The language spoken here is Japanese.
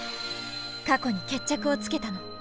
過去に決着をつけたの。